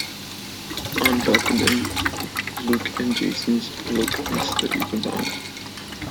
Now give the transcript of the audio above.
On Belkaden, Luke and Jacen's look and study the Vong.